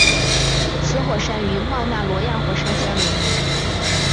此火山与冒纳罗亚火山相邻。